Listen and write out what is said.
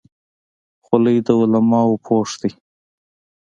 خولۍ د علماو پوښ دی.